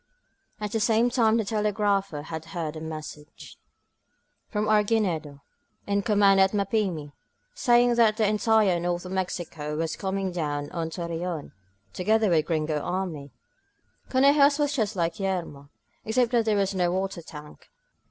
At the same time the telegrapher had heard a message 188 FIRST BLOOD from Arguinedo, in command at Mapimi, saying that the entire north of Mexico was coming down on .Tor reon, together with the Gringo army! Conejos was just like Yermo, except that there was no water tank.